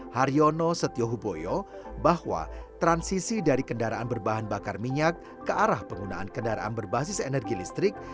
haryono setiohuboyo bahwa transisi dari kendaraan berbahan bakar minyak ke arah penggunaan kendaraan berbasis energi listrik